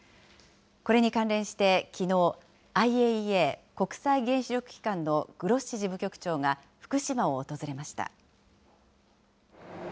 これに関連して、きのう、ＩＡＥＡ・国際原子力機関のグロッシ事務局長が福島を訪れました。